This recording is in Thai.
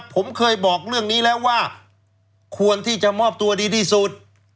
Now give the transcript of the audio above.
ผมเคยบอกเรื่องนี้แล้วว่าควรที่จะมอบตัวดีที่สุด